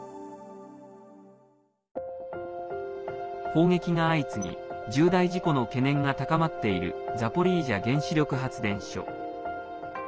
砲撃が相次ぎ重大事故の懸念が高まっているザポリージャ原子力発電所。